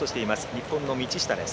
日本の道下です。